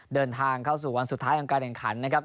เดินทางเข้าสู่วันสุดท้ายของการแข่งขันนะครับ